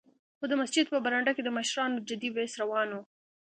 خو د مسجد په برنډه کې د مشرانو جدي بحث روان و.